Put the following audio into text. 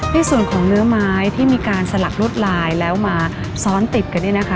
ในส่วนของเนื้อไม้ที่มีการสลักลวดลายแล้วมาซ้อนติดกันเนี่ยนะคะ